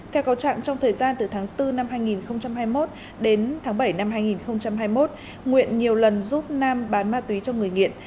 theo cáo trạng trong thời gian từ tháng bốn năm hai nghìn hai mươi một đến tháng bảy năm hai nghìn hai mươi một nguyễn nhiều lần giúp nam bán ma túy cho người nghiện